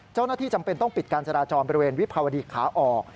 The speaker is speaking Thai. เจ้าหน้าที่จำเป็นต้องปิดการชดาจรบริเวณวิพาวดีขาออก